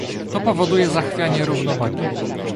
To powoduje zachwianie równowagi